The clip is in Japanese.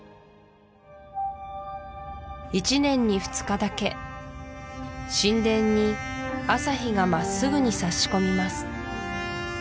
１年に２日だけ神殿に朝日がまっすぐにさし込みます